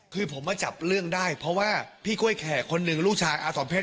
คือผมมาจับเรื่องได้เพราะว่าพี่กล้วยแขกคนหนึ่งลูกชายอาสมเพชร